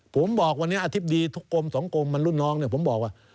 ผมบอกวันนี้อาทิตย์ดีทุกกลมสองกลมล่ารุ่นนองผมบอกว่า